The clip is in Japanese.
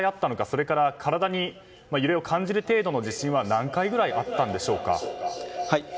それから、体に揺れを感じる程度の地震は何回ほどあったんでしょうか。